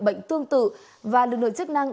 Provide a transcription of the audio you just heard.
bệnh tương tự và lực lượng chức năng